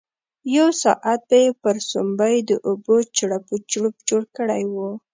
یو ساعت به یې پر سومبۍ د اوبو چړپ او چړوپ جوړ کړی وو.